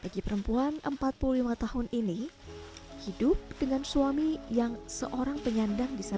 bagi perempuan empat puluh lima tahun ini hidup dengan suami yang seorang penyandang bisa